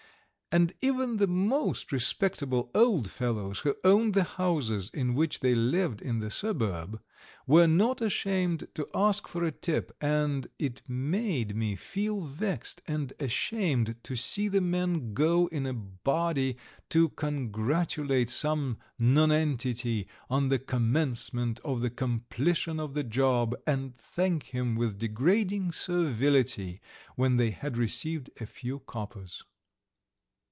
And even the most respectable old fellows, who owned the houses in which they lived in the suburb, were not ashamed to ask for a tip, and it made me feel vexed and ashamed to see the men go in a body to congratulate some nonentity on the commencement or the completion of the job, and thank him with degrading servility when they had received a few coppers.